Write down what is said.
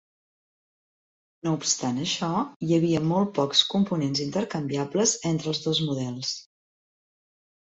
No obstant això, hi havia molt pocs components intercanviables entre els dos models.